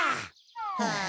はあ。